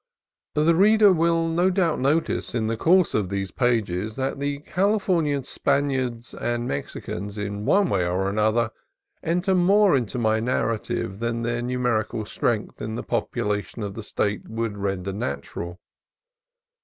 (The reader will no doubt notice in the course of these pages that the Calif ornian Spaniards and Mexi cans in one way or another enter more into my nar rative than their numerical strength in the popu lation of the State would render natural.